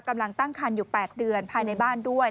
กำลังตั้งคันอยู่๘เดือนภายในบ้านด้วย